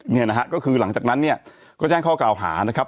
เนี่ยนะฮะก็คือหลังจากนั้นเนี่ยก็แจ้งข้อกล่าวหานะครับ